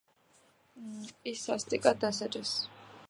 ის სასტიკად დასაჯეს.